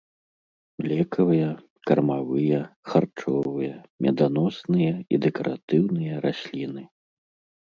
Лекавыя, кармавыя, харчовыя, меданосныя і дэкаратыўныя расліны.